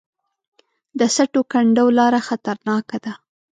د سټو کنډو لاره خطرناکه ده